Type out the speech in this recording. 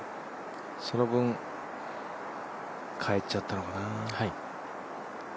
その分、かえっちゃったのかな。